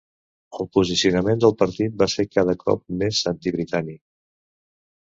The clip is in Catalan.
El posicionament del partit va ser cada cop més anti-britànic.